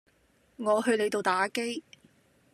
我去你度打機